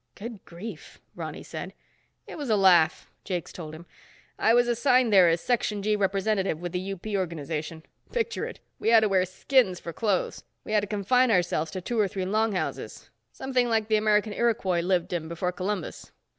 "Good grief," Ronny said. "It was a laugh," Jakes told him. "I was assigned there as Section G representative with the UP organization. Picture it. We had to wear skins for clothes. We had to confine ourselves to two or three long houses. Something like the American Iroquois lived in before Columbus.